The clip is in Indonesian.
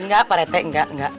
enggak pak rt enggak enggak